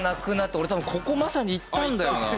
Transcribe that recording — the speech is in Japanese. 俺多分ここまさに行ったんだよな。